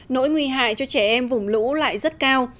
nỗi nguy hại cho trẻ em vùng lũ lại rất cao